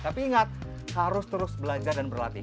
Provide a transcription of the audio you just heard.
tapi ingat harus terus belajar dan berlatih